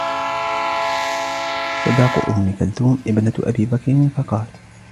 صَدَاقُ أُمِّ كُلْثُومٍ ابْنَةِ أَبِي بَكْرٍ فَقَالَ